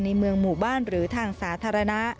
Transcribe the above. ในเมืองหมู่บ้านหรือทางสาธารณะ